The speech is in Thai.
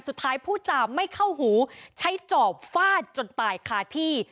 สุดท้ายผู้จามไม่เข้าหูใช้จอบฟาดจนตายคาที่